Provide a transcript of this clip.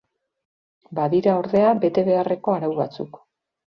Badira ordea bete beharreko arau batzuk.